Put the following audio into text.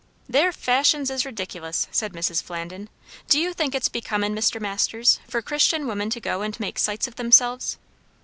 "Their fashions is ridiculous!" said Mrs. Flandin. "Do you think it's becomin', Mr. Masters, for Christian women to go and make sights of themselves?"